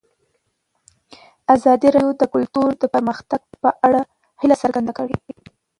ازادي راډیو د کلتور د پرمختګ په اړه هیله څرګنده کړې.